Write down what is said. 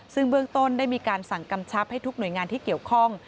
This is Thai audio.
ซึ่งเบื้องต้นได้มีการสั่งกำชับให้ทุกหน่วยงานที่เกี่ยวข้อง